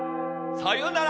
さよなら。